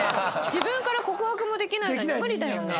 自分から告白もできないのに無理だよね。